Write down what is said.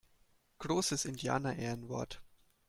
Großes Indianerehrenwort!